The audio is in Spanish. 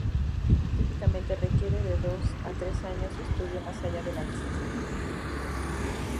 Típicamente requiere de dos a tres años de estudio más allá de la licenciatura.